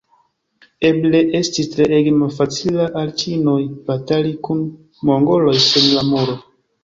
Eble estis treege malfacila al ĉinoj batali kun mongoloj sen la Muro.